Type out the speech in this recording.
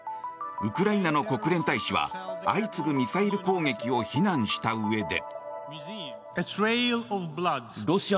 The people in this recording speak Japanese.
ウクライナの国連大使は相次ぐミサイル攻撃を非難したうえで。